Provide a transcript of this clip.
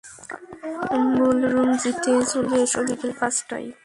Ballroom G তে চলে এসো বিকেল পাঁচটায়।